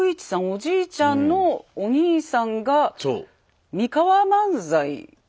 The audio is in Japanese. おじいちゃんのお兄さんが「三河万歳」みたいな。